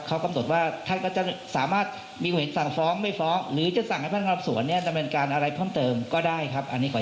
เขากำหนดว่าถ้าจะสามารถมีคุณก่อนสั่งฟ้องไม่ฟ้องหรือจะสั่งให้พนักงานรับส่วนนี่